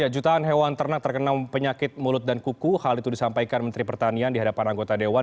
jutaan hewan ternak terkena penyakit mulut dan kuku hal itu disampaikan menteri pertanian di hadapan anggota dewan